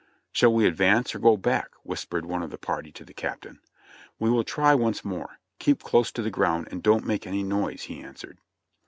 "Shall we advance or go back?" whispered one of the party to the Captain. "We will try once more ; keep close to the ground and don't make any noise," he answered.